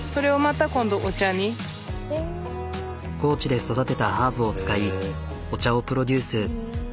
高知で育てたハーブを使いお茶をプロデュース。